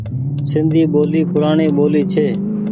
سندي ٻولي پوڙآڻي ٻولي ڇي۔